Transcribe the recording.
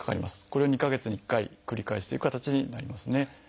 これを２か月に１回繰り返しという形になりますね。